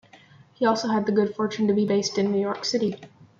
He also had the good fortune to be based in New York City.